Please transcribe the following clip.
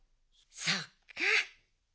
そっか。